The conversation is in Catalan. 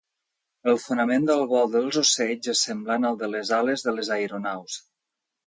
El fonament del vol dels ocells és semblant al de les ales de les aeronaus.